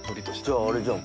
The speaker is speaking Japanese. じゃああれじゃん。